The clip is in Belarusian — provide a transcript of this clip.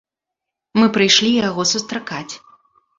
Мы прыйшлі яго сустракаць.